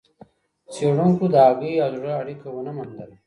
څېړونکو د هګۍ او زړه اړیکه ونه موندله.